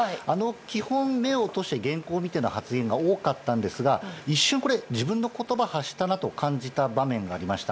基本、目を落として原稿を見ての発言が多かったんですが一瞬これは自分の言葉を発したなと感じた場面がありました。